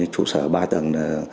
trụ sở ba tầng